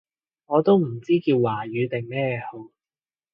我都唔知叫華語定咩好